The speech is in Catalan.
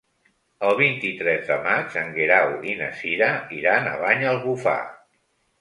El vint-i-tres de maig en Guerau i na Cira iran a Banyalbufar.